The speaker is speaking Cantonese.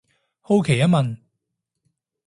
好奇一問